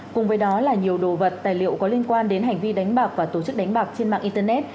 cùng với đó là nhiều đồ vật tài liệu có liên quan đến hành vi đánh bạc và tổ chức đánh bạc trên mạng internet